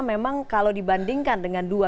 memang kalau dibandingkan dengan dua